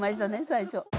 最初。